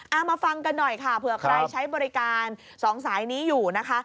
มาฟังกันหน่อยค่ะเผื่อใครใช้บริการสองสายนี้อยู่นะคะ